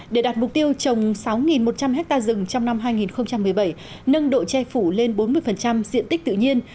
để đạt mục tiêu trồng sáu một trăm linh ha rừng trong năm hai nghìn một mươi bảy nâng độ che phủ lên bốn mươi diện tích tự nhiên